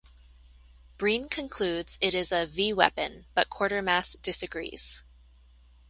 Breen concludes it is a V-weapon, but Quatermass disagrees.